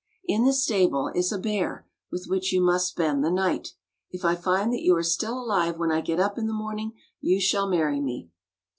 In the stable is a bear with which you must spend the night. If I find that you are still alive when I get up in the morning, you shall marry me."